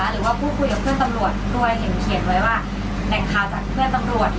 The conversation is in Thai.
หรือว่าผู้คุยกับเพื่อนตำรวจด้วย